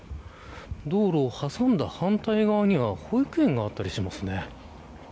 道路を挟んだ反対側には保育園があったりします。